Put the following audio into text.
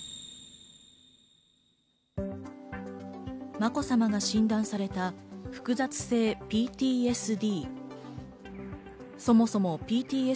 まこさまが診断された複雑性ＰＴＳＤ。